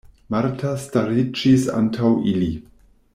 Marta stariĝis antaŭ ili.